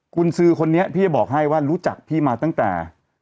คุณซื้อคนนี้พี่จะบอกให้ว่ารู้จักพี่มาตั้งแต่